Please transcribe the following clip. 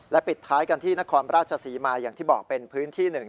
ปิดท้ายกันที่นครราชศรีมาอย่างที่บอกเป็นพื้นที่หนึ่ง